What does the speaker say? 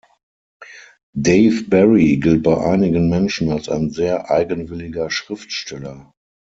Dave Barry gilt bei einigen Menschen als ein sehr eigenwilliger Schriftsteller.